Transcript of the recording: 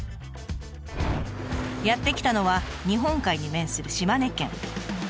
やって来たのは日本海に面する島根県。